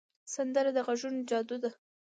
سندره د غږونو جادو ده